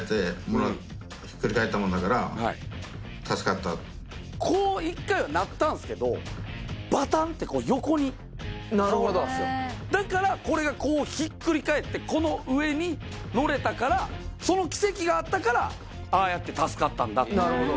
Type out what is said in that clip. そこでもうこう１回はなったんすけどバタンってこう横に倒れたんすよだからこれがこうひっくり返ってこの上に乗れたからその奇跡があったからああやって助かったんだと・